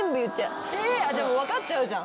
じゃあもう分かっちゃうじゃん。